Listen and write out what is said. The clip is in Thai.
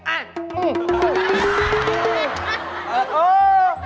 อ้าว